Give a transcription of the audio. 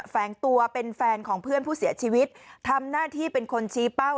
แฝงตัวเป็นแฟนของเพื่อนผู้เสียชีวิตทำหน้าที่เป็นคนชี้เป้า